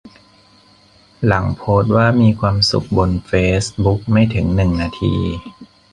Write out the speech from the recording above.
หลังโพสต์ว่า "มีความสุข" บนเฟซบุ๊กไม่ถึงหนึ่งนาที